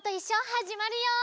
はじまるよ！